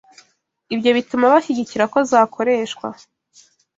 Ibyo bituma bashyigikira ko zakoreshwa